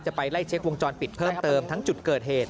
ไปไล่เช็ควงจรปิดเพิ่มเติมทั้งจุดเกิดเหตุ